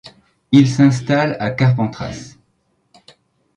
Il s'installe à Carpentras.